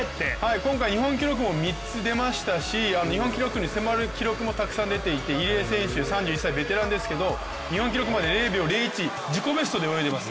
今回日本記録も３つ出ましたし、日本記録に迫る記録もたくさん出ていて入江選手３３歳ベテランですけれども、日本記録まで０秒０１自己ベストで泳いでいます。